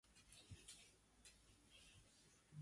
あえいうえおあおかけきくけこかこ